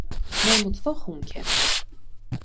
Ներմուծվող հումք է։